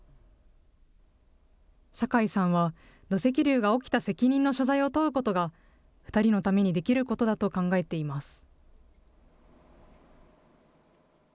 酒井さんは土石流が起きた責任の所在を問うことが、２人のためにできることだと考えています。